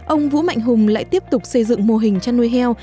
ông vũ mạnh hùng lại tiếp tục xây dựng mô hình chăn nuôi heo